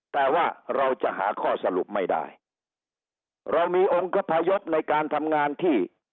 แต่ว่าเราจะหาข้อสรุปไม่ได้เรามีองคพยศในการทำงานที่